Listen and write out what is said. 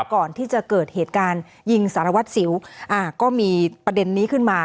ก่อนที่จะเกิดเหตุการณ์ยิงสารวัตรสิวก็มีประเด็นนี้ขึ้นมา